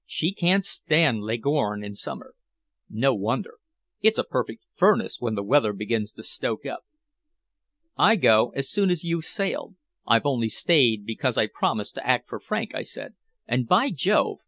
She can't stand Leghorn in summer." "No wonder. It's a perfect furnace when the weather begins to stoke up." "I go as soon as you've sailed. I only stayed because I promised to act for Frank," I said. "And, by Jove!